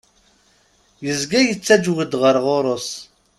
Yezga yettaǧew-d ɣer ɣur-s.